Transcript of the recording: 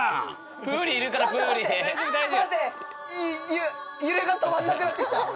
ゆ揺れが止まんなくなって来た。